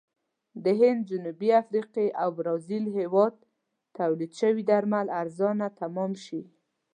د هند، جنوبي افریقې او برازیل هېواد تولید شوي درمل ارزانه تمام شي.